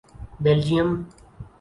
Belgium